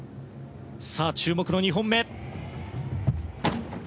注目の２本目。